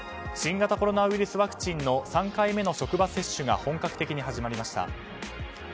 新型コロナウイルスワクチンの３回目の職域接種が本格的に始まりました。